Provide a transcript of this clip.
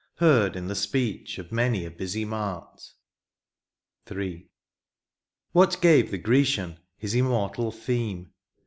Heard in the speech of many a busy mart. III. What gave the Grecian his immortal theme